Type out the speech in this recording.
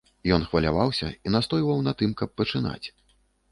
Ён хваляваўся і настойваў на тым, каб пачынаць.